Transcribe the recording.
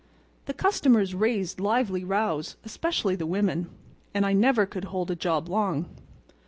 The customers raised lively rows, especially the women, and I never could hold a job long.